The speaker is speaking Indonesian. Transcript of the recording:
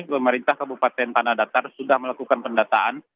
pemerintah kabupaten tanah datar sudah melakukan pendataan